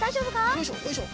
よいしょよいしょ。